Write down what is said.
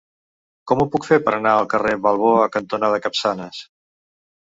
Com ho puc fer per anar al carrer Balboa cantonada Capçanes?